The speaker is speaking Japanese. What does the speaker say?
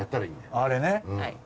あれね。